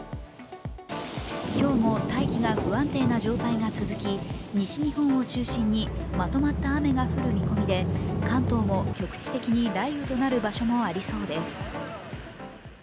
今日も大気が不安定な状態が続き西日本を中心にまとまった雨が降る見込みで、関東も局地的に雷雨となる場所もありそうです